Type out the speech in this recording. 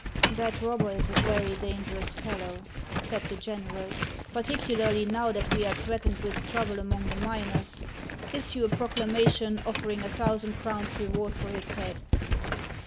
" That robber is a very dangerous fellow," said the general, " particularly now that we are threatened with trouble among the miners. Issue a proclamation offering a thousand crowns reward for his head."